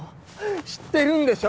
知ってるんでしょ？